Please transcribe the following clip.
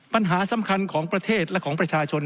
ปัญหาสำคัญของประเทศและของประชาชน